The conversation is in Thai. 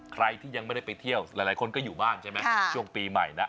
ใครที่ยังไม่ได้ไปเที่ยวหลายคนก็อยู่บ้านใช่ไหมช่วงปีใหม่นะ